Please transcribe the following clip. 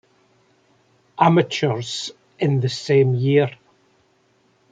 Amateurs in the same year.